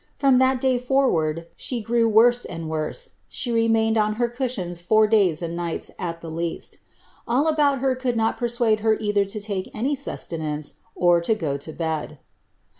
From that day forward she grew worse aod worse ; she remained upon her cushions four days and niglits at the kast All about her could not persuade her either to take any suste lance, or to go to bed."